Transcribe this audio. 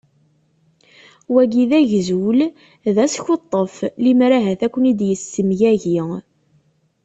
Wagi d agzul d askuṭṭef, limer ahat ad ken-id-yessemgagi.